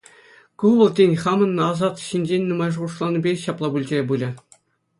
Ку вӑл, тен, хамӑн асат ҫинчен нумай шухӑшланипе ҫапла пулчӗ пулӗ.